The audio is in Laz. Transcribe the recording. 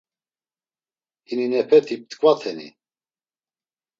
Hininepeti p̌t̆ǩvateni?